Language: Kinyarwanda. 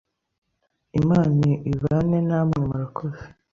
Imana ibane namwe murakoze